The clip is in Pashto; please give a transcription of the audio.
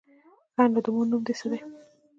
_ښه نو، د مور نوم دې څه دی؟